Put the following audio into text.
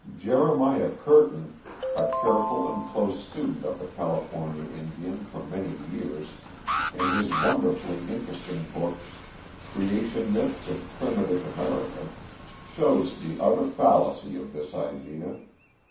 Jeremiah Curtin, a careful and close student of the California Indian for many years, in his wonderfully interesting book, "Creation Myths of Primitive America," shows the utter fallacy of this idea.